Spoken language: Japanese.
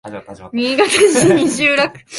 新潟市西蒲区